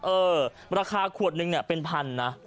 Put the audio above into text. เออราคาขวดนึงเนี่ยเป็นพันนะ